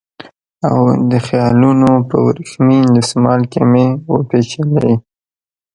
او د خیالونو په وریښمین دسمال کې مې وپېچلې